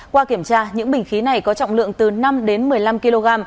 qua kiểm tra những bình khí này có trọng lượng từ năm đến một mươi năm kg